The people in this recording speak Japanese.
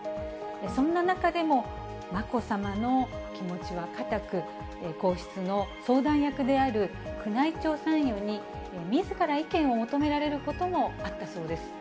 そんな中でも、まこさまの気持ちは固く、皇室の相談役である宮内庁参与に、みずから意見を求められることもあったそうです。